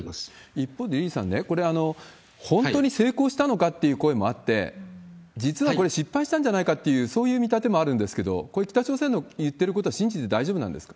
一方で、李さんね、これ、本当に成功したのかっていう声もあって、実はこれ、失敗したんじゃないかっていう、そういう見立てもあるんですけれども、これ、北朝鮮の言ってる